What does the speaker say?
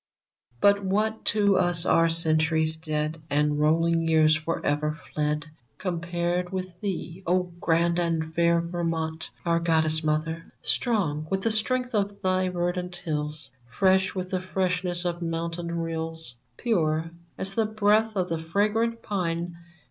But what to us are Centuries dead, And rolling Years forever fled, Compared with thee, O grand and fair Vermont — our Goddess mother ? Strong with the strength of thy verdant hills, Fresh with the freshness of mountain rills, Pure as the breath of the fragant pine.